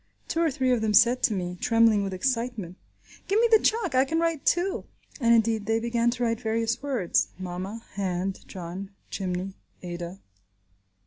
Two or three of them said to me, trembling with excitement, "Give me the chalk. I can write too." And indeed they began to write various words: mama, hand, John, chimney, Ada.